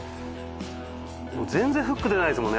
全然フックでないですもんね